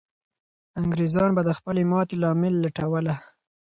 انګریزان به د خپلې ماتې لامل لټوله.